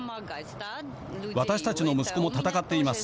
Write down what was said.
私たちの息子も戦っています。